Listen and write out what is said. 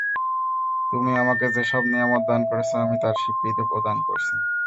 তুমি আমাকে যেসব নেয়ামত দান করেছ আমি তার স্বীকৃতি প্রদান করছি।